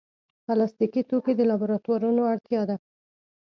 پلاستيکي توکي د لابراتوارونو اړتیا ده.